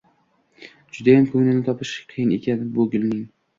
— Judayam ko‘nglini topish qiyin ekan bu gulning...»